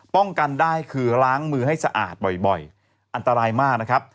ป้องกันได้คือล้างมือให้สะอาดบ่อยอันตรายมากนะครับ